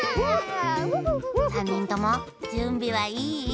さんにんともじゅんびはいい？